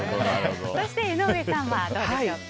そして江上さんはどうでしょうか。